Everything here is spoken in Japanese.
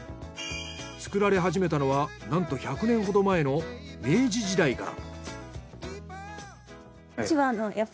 作られ始めたのはなんと１００年ほど前の明治時代から。